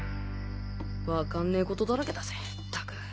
わかんねえ事だらけだぜったく